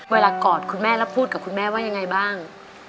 กอดคุณแม่แล้วพูดกับคุณแม่ว่ายังไงบ้าง